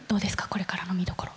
これからの見どころ。